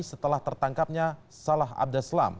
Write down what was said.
setelah tertangkapnya salah abdeslam